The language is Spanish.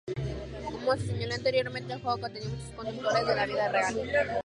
Como se señaló anteriormente, el juego contenía muchos conductores de la vida real.